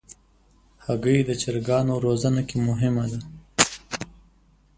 هګۍ د چرګانو روزنه کې مهم ده.